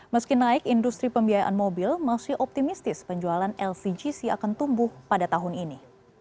meski naik industri pembiayaan mobil masih optimistis penjualan lcgc akan tumbuh pada tahun ini